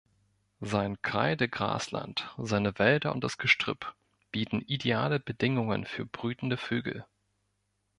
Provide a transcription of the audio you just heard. Sein Kreidegrasland, seine Wälder und das Gestrüpp bieten ideale Bedingungen für brütende Vögel.